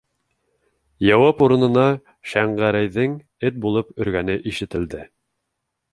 Яуап урынына Шәңгәрәйҙең эт булып өргәне ишетелде.